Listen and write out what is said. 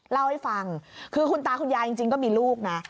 เล่าให้ฟังคือคุณตาคุณยายจริงก็มีลูกนะ